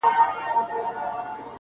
یاره ستا په خوله کي پښتنه ژبه شیرینه ده